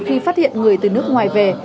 khi phát hiện người từ nước ngoài về